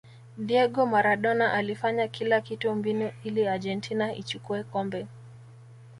diego maradona alifanya kila kitu mbinu ili argentina ichukue kombe